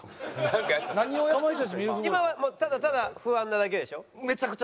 今はもうただただ不安なだけでしょ？